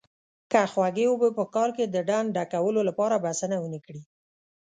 که خوږې اوبه په کال کې د ډنډ ډکولو لپاره بسنه ونه کړي.